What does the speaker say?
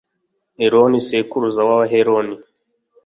eloni sekuruza w’abaheloni.